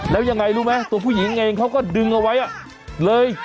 แล้วยังไงรู้ไหมตัวผู้หญิงเองเขาก็ดึงเอาไว้เลย